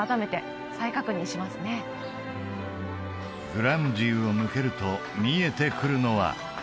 グランド・リュを抜けると見えてくるのは？